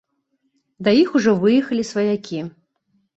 Да іх ужо выехалі сваякі.